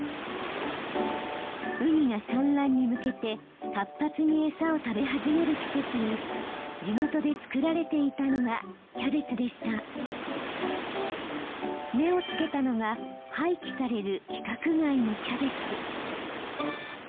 ウニが産卵に向けて活発に餌を食べ始める季節に地元で作られていたのが目を付けたのが廃棄される規格外のキャベツ。